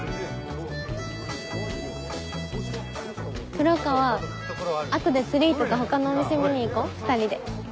黒川後でツリーとか他のお店見に行こう２人で。